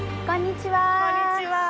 こんにちは。